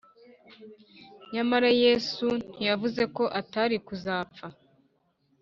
Nyamara Yesu ntiyavuze ko atari kuzapfa